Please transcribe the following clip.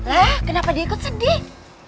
lah kenapa dia ikut sedih